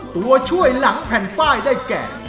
ตัวช่วยหลังแผ่นป้ายได้แก่